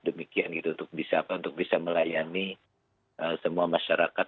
demikian gitu untuk bisa melayani semua masyarakat